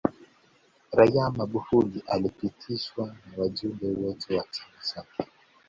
raia magufuli alipitishwa na wajumbe wote wa chama chake